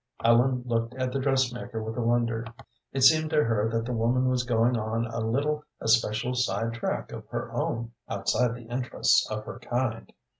Ellen looked at the dressmaker with wonder; it seemed to her that the woman was going on a little especial side track of her own outside the interests of her kind.